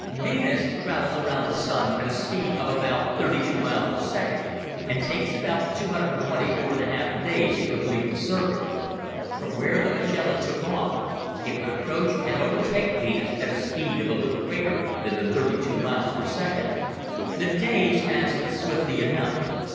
Venus travels around the Sun at a speed of about 32 miles per second, and takes about 224.5 days to complete the circuit. From where the Magellan took off, it would approach and overtake Venus at a speed a little greater than the 32 miles per second. The days passed swiftly enough.